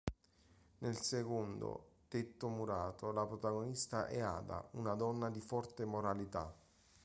Nel secondo, "Tetto murato", la protagonista è Ada, una donna di forte moralità.